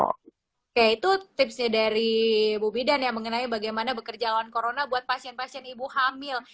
oke itu tipsnya dari bu bidan ya mengenai bagaimana bekerja lawan corona buat pasien pasien ibu hamil